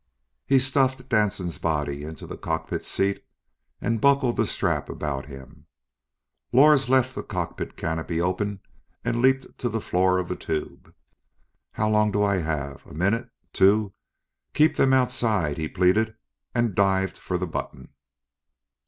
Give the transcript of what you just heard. He stuffed Danson's body into the cockpit seat and buckled the strap about him. Lors left the cockpit canopy open and leaped to the floor of the tube. How long do I have? A minute? Two? Keep them outside, he pleaded, and dived for the button.